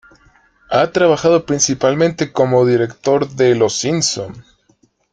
Ha trabajado principalmente como director de "Los Simpson".